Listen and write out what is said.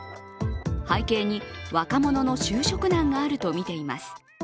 背景に、若者の就職難があるとみています。